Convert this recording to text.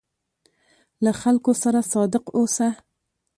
له خلکو سره صادق اوسه.